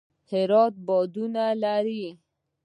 هرات بادونه لري